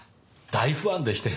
大ファンでして。